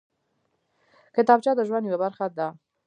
کتابچه د ژوند یوه برخه ده